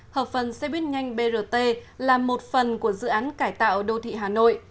hợp phần xe buýt nhanh brt là một phần của dự án cải tạo đô thị hà nội